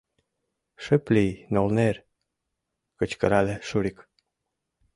— Шып лий, нолнер! — кычкырале Шурик.